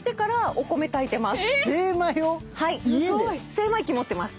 精米機持ってます。